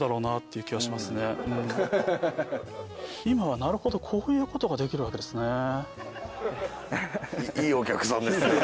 今はなるほどこういうことができるわけですね。